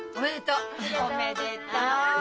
おめでとう。